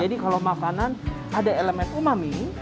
jadi kalau makanan ada elemen umami